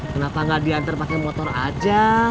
kenapa gak dianter pake motor aja